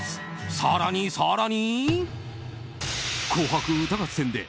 更に更に。